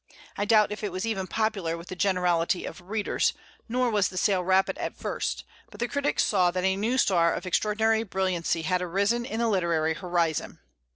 I doubt if it was even popular with the generality of readers, nor was the sale rapid at first; but the critics saw that a new star of extraordinary brilliancy had arisen in the literary horizon.